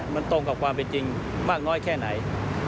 มันตรงกับความเป็นจริงมากน้อยแค่ไหน